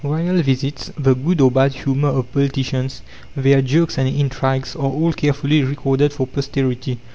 Royal visits, the good or bad humour of politicians, their jokes and intrigues, are all carefully recorded for posterity.